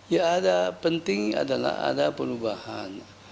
ya ada penting adalah ada perubahan